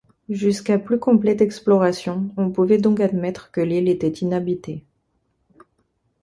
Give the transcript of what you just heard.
Jusqu’à plus complète exploration, on pouvait donc admettre que l’île était inhabitée